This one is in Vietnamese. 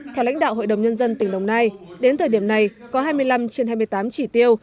theo lãnh đạo hội đồng nhân dân tỉnh đồng nai đến thời điểm này có hai mươi năm trên hai mươi tám chỉ tiêu